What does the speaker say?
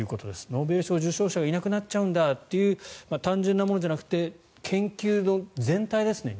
ノーベル賞受賞者がいなくなっちゃうんだという単純なものじゃなくて研究の全体ですね。